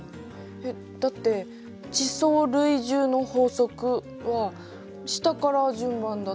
えっだって「地層累重の法則」は下から順番だって。